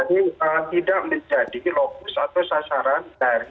ini tidak menjadi lokus atau sasaran dari